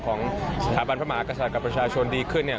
ของสถาบันพระหมากระทับประชาชนดีขึ้นเนี่ย